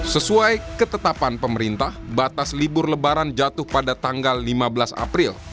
sesuai ketetapan pemerintah batas libur lebaran jatuh pada tanggal lima belas april